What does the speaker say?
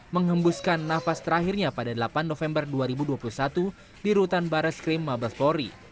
mengembuskan nafas terakhirnya pada delapan november dua ribu dua puluh satu di rutan barres krim mabes polri